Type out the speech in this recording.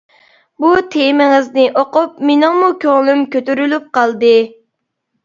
بۇ تېمىڭىزنى ئوقۇپ مېنىڭمۇ كۆڭلۈم كۆتۈرۈلۈپ قالدى.